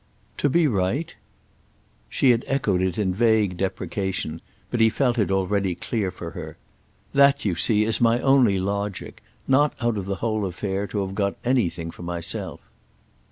"To be right?" She had echoed it in vague deprecation, but he felt it already clear for her. "That, you see, is my only logic. Not, out of the whole affair, to have got anything for myself."